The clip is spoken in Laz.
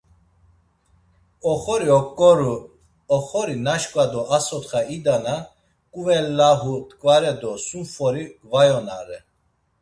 Oxori oǩoru; oxori naşǩva do a sotxa idana ǩuvellahu t̆ǩvare do sum fori gvayonare.